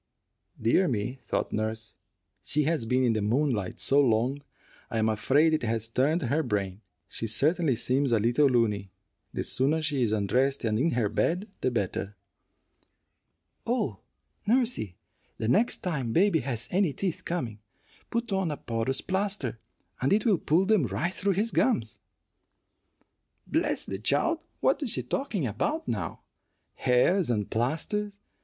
"Dear me," thought nurse, "she has been in the moonlight so long I am afraid it has turned her brain. She certainly seems a little looney. The sooner she is undressed and in her bed, the better." "Oh, nursey, the next time baby has any teeth coming, put on a porous plaster, and it will pull them right through his gums." "Bless the child! What is she talking about now? Hares and plasters!